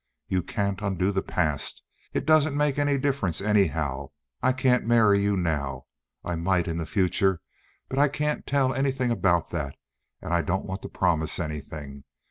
You can't undo the past. It doesn't make any difference, anyhow. I can't marry you now. I might in the future, but I can't tell anything about that, and I don't want to promise anything.